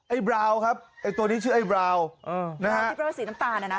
บราวครับไอ้ตัวนี้ชื่อไอ้บราวเออนะฮะคิดว่าสีน้ำตาลน่ะนะ